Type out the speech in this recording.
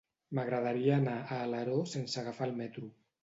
M'agradaria anar a Alaró sense agafar el metro.